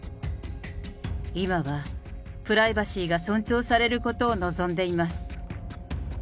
今はプライバシーが尊重されることを望んでいます。